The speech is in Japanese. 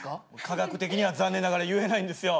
科学的には残念ながら言えないんですよ。